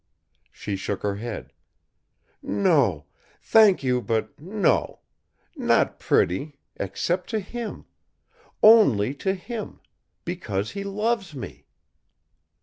She shook her head. "No. Thank you, but no! Not pretty, except to him. Only to him, because he loves me."